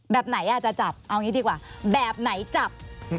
แบบไหนจะจับแบบไหนจับ